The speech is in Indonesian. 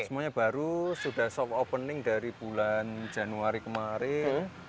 semuanya baru sudah soft opening dari bulan januari kemarin